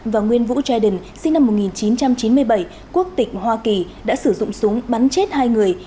và nguyên vũ giai đình sinh năm một nghìn chín trăm chín mươi bảy quốc tịch hoa kỳ đã sử dụng súng bắn chết hai người